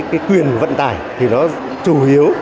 cái quyền vận tải thì nó chủ yếu